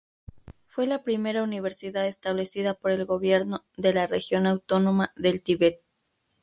Fue la primera universidad establecida por el gobierno de la región autónoma del Tíbet.